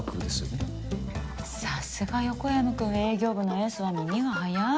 さすが横山君営業部のエースは耳が早い。